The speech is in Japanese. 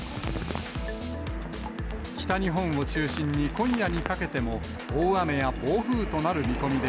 北日本を中心に今夜にかけても大雨や暴風となる見込みで、